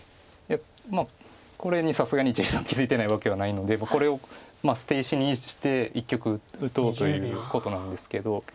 まあこれにさすがに一力さん気付いてないわけはないのでこれを捨て石にして一局打とうということなんですけど。